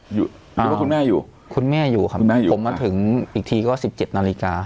หรือว่าคุณแม่อยู่คุณแม่อยู่ครับคุณแม่อยู่ผมมาถึงอีกทีก็สิบเจ็ดนาฬิกา